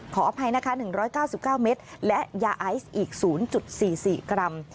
ขออภัยนะคะ๑๙๙เมตรและยาไอซ์อีก๐๔๔กรัม